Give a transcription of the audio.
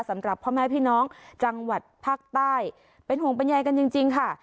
สำหรับพ่อแม่พี่น้องจังหวัดภาคใต้เป็นห่วงบรรยายกันจริงค่ะ